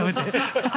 ハハハハ